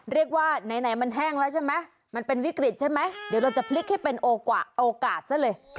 เรียกว่าไหนมันแห้งแล้วใช่ไหมมันเป็นวิกฤตใช่ไหมเดี๋ยวเราจะพลิกให้เป็นโอกาสซะเลย